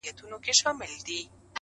چي منگول ته مو جوړ کړی عدالت دئ؛